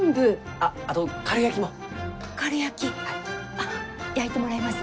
あっ焼いてもらいます。